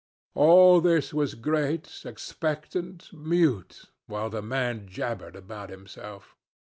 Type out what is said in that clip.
All this was great, expectant, mute, while the man jabbered about himself.